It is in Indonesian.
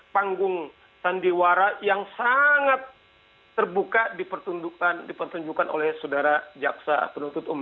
panggung sandiwara yang sangat terbuka dipertunjukkan oleh saudara jaksa penuntut umum